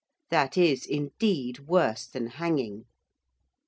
That is, indeed, worse than hanging.